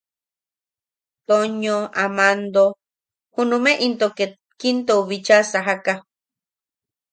Toño, Amando junume into ket Kintou bicha sajaka.